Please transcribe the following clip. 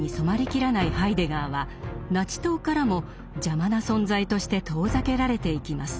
切らないハイデガーはナチ党からも邪魔な存在として遠ざけられていきます。